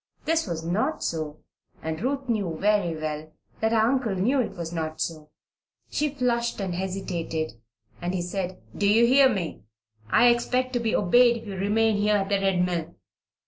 This was not so, and Ruth knew very well that her uncle knew it was not so. She flushed and hesitated, and he said: "Do you hear me? I expect to be obeyed if you remain here at the Red Mill.